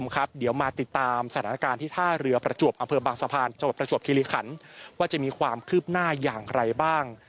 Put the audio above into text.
การที่ท่าเรือประจวบอำเภอบางสะพานประจวบคิริขันว่าจะมีความคืบหน้าอย่างไรบ้าง